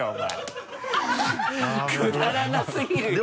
くだらなすぎるよ